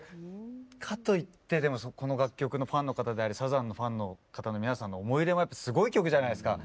かといってでもこの楽曲のファンの方でありサザンのファンの方の皆さんの思い入れもやっぱすごい曲じゃないですか。